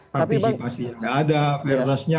partisipasi nggak ada fairness nya